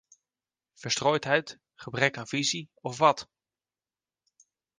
Verstrooidheid, gebrek aan visie, of wat?